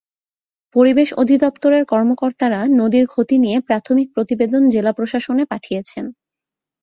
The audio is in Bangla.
পরিবেশ অধিদপ্তরের কর্মকর্তারা নদীর ক্ষতি নিয়ে প্রাথমিক প্রতিবেদন জেলা প্রশাসনে পাঠিয়েছেন।